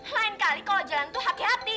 lain kali kalau jalan tuh hati hati